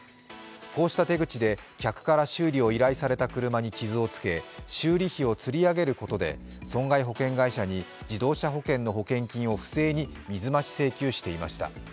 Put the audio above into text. こうした手口で客から修理を依頼された車に傷をつけ修理費をつり上げることで損害保険会社に自動車保険の保険金を不正に水増し請求していました。